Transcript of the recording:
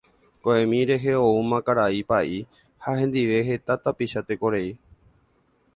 Ko'ẽmi rehe oúma karai Pa'i ha hendive heta tapicha tekorei.